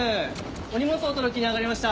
お荷物お届けにあがりました。